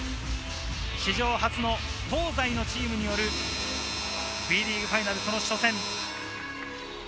史上初の東西のチームによるＢリーグファイナル、その初戦。